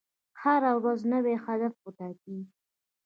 هره ورځ نوی هدف وټاکئ.